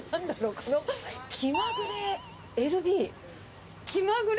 このきまぐれＬＢ？